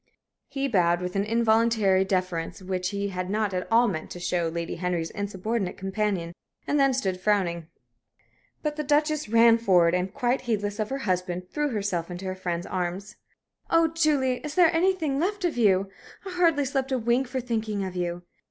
He bowed, with an involuntary deference which he had not at all meant to show to Lady Henry's insubordinate companion, and then stood frowning. But the Duchess ran forward, and, quite heedless of her husband, threw herself into her friend's arms. "Oh, Julie, is there anything left of you? I hardly slept a wink for thinking of you.